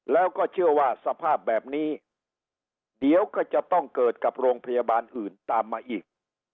แล้วก็เชื่อว่าสภาพแบบนี้เดี๋ยวก็จะต้องเกิดกับโรงพยาบาลอื่นตามมาอีก